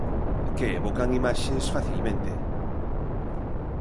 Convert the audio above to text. Que evocan imaxes facilmente.